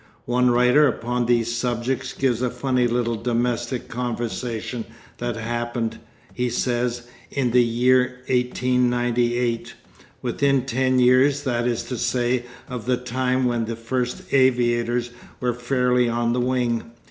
One writer upon these subjects gives a funny little domestic conversation that happened, he says, in the year 1898, within ten years, that is to say, of the time when the first aviators were fairly on the wing.